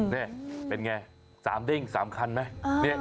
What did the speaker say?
นี่เป็นไงสามดิ้งสามคันไหม